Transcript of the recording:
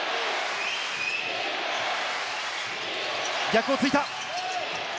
逆を突いた。